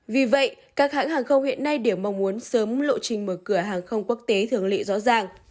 vì vậy các hãng hàng không hiện nay đều mong muốn sớm lộ trình mở cửa hàng không quốc tế thường lị rõ ràng